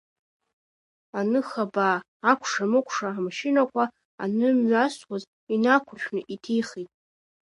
Аныхабаа акәша-мыкәша амашьынақәа анымҩамсуаз инақәыршәаны иҭихит.